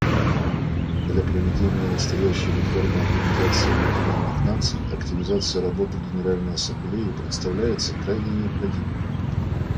Для проведения настоящей реформы Организации Объединенных Наций активизация работы Генеральной Ассамблеи представляется крайне необходимой.